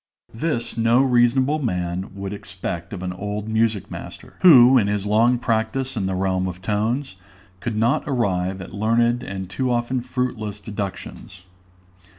This no reasonable man would expect of an old music master, who, in his long practice in the realm of tones, could not arrive at learned and too often fruitless deductions.